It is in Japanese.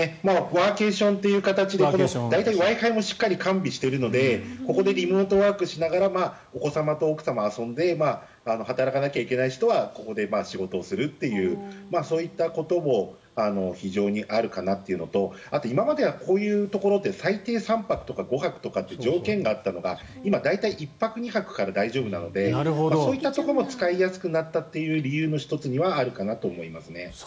ワーケーションという形で大体Ｗｉ−Ｆｉも完備してるのでここでリモートワークしながらお子様と奥様は遊んで働かなきゃいけない人はここで仕事をするというそういったことも非常にあるかなというところであと、今まではこういうところって最低３泊とかっていう条件があったのが今、大体１泊２泊から大丈夫なのでそういったところも使いやすくなった理由の１つにはありますね。